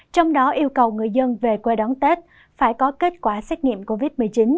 trong đó yêu cầu người dân về quê đón tết phải có kết quả xét nghiệm covid một mươi chín